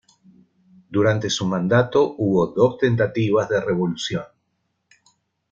Durante su mandato hubo dos tentativas de revolución.